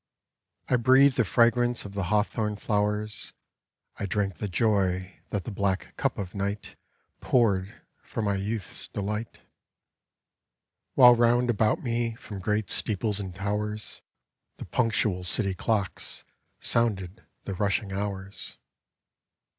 I breathed the fragrance of the hawthorn flowers, I drank the joy that the black cup of night Poured for my youth's delight — While round about me from great steeples and towers, The punctual city clocks sounded the rushing hours.